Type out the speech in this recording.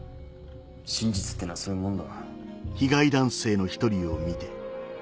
真実ってのはそういうもんだ。